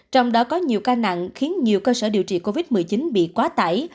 trong đó có nhiều ca nặng khiến nhiều cơ sở điều trị covid một mươi chín bị quá tải